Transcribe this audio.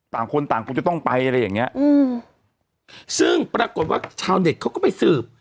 ต่างคนต่างคงจะต้องไปอะไรอย่างเงี้ยอืมซึ่งปรากฏว่าชาวเน็ตเขาก็ไปสืบ